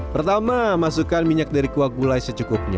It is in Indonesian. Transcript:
pertama masukkan minyak dari kuah gulai secukupnya